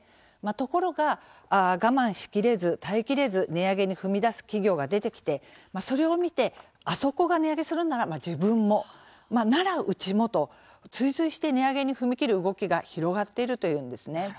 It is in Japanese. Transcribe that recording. ところが我慢しきれず耐えきれず値上げに踏み出す企業が出てきてそれを見てあそこが値上げするなら自分もなら、うちもと追随して値上げに踏みきる動きが広がっているというのです。